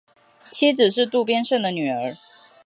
妻子是渡边胜的女儿。